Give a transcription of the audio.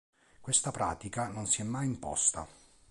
Questa pratica non si è mai imposta.